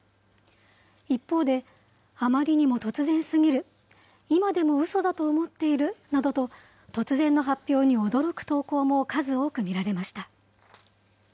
一方で、あまりにも突然すぎる、今でもうそだと思っているなどと、突然の発表に驚く投稿も数多く見られました。